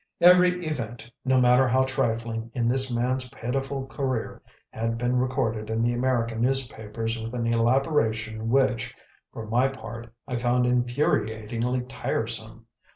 Every event, no matter how trifling, in this man's pitiful career had been recorded in the American newspapers with an elaboration which, for my part, I found infuriatingly tiresome.